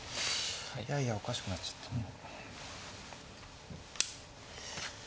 いやいやおかしくなっちゃったな。